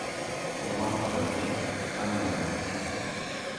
• Yomon odamga hamma yomon.